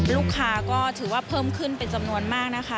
ลูกค้าก็ถือว่าเพิ่มขึ้นเป็นจำนวนมากนะคะ